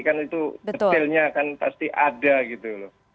kan itu detailnya kan pasti ada gitu loh